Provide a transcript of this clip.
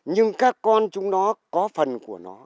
nhưng các con chúng nó có phần của nó